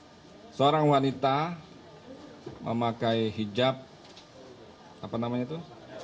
ya viral ada seorang wanita memakai hijab apa namanya itu